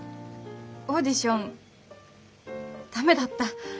オーディション駄目だった。